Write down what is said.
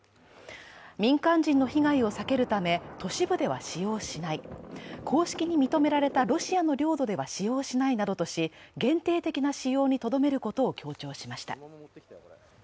民間人の被害を避けるため、都市部では使用しない、公式に認められたロシアの領土では使用しないなどとし限定的な使用にとどめることを強調しました。